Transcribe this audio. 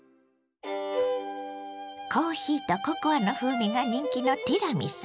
コーヒーとココアの風味が人気のティラミス。